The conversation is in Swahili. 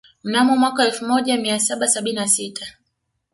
Mnamo mwaka wa elfu moja mia saba sabini na sita